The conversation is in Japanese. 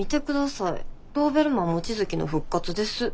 ドーベルマン望月の復活です」。